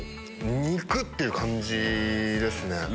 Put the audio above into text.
肉！っていう感じですね。